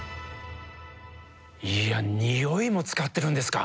いやあ匂いも使ってるんですか！